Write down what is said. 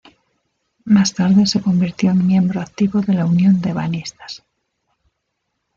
Más tarde se convirtió en miembro activo de la Unión de Ebanistas.